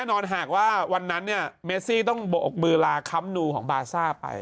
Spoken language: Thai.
หากว่าวันนั้นเนี่ยเมซี่ต้องบกมือลาค้ำนูของบาซ่าไป